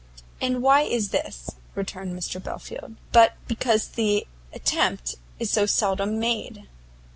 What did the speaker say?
"And why is this," returned Belfield, "but because the attempt is so seldom made?